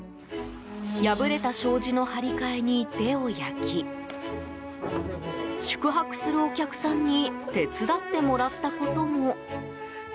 破れた障子の張り替えに手を焼き宿泊するお客さんに手伝ってもらったことも。